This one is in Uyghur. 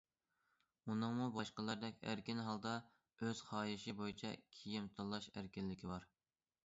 ئۇنىڭمۇ باشقىلاردەك ئەركىن ھالدا ئۆز خاھىشى بويىچە كىيىم تاللاش ئەركىنلىكى بار.